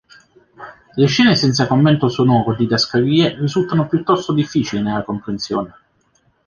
Le scene senza commento sonoro o didascalie risultano piuttosto difficili nella comprensione.